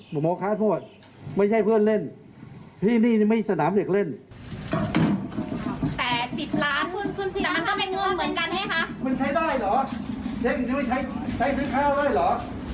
มันใช้ได้เหรอใช้ซื้อข้าวได้เหรอ